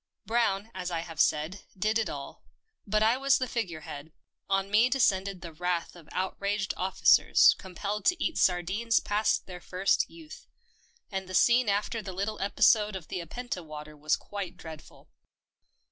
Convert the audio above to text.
Brown, as I have said, did it all ; but I was the figure head — on me descended the wrath of outraged officers compelled to eat sardines past their first youth, and the scene after the little episode of the Apenta water was quite dreadful.